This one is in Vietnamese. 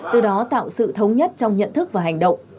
từ đó tạo sự thống nhất trong nhận thức và hành động